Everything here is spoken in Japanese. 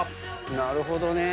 「なるほどね」